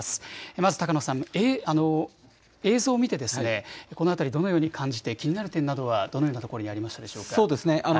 まず高野さん、映像を見てこの辺りどのように感じて気になる点などどのようなところにありますか。